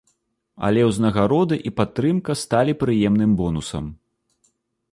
Але ўзнагароды і падтрымка сталі прыемным бонусам.